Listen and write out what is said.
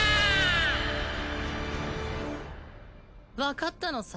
わかったのさ。